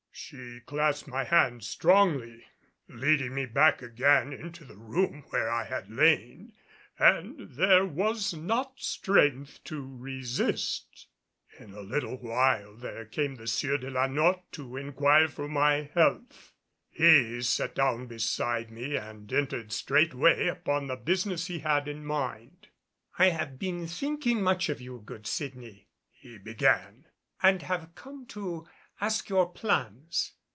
She clasped my hand strongly, leading me back again into the room where I had lain. And there was not strength to resist. In a little while there came the Sieur de la Notte to inquire for my health. He sat down beside me and entered straightway upon the business he had in mind. "I have been thinking much of you, good Sydney," he began, "and have come to ask your plans."